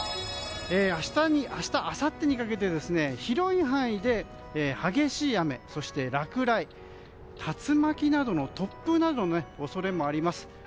明日あさってにかけて広い範囲で激しい雨そして落雷、竜巻など突風の恐れもあります。